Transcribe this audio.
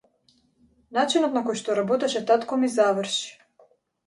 Начинот на кој што работеше татко ми заврши.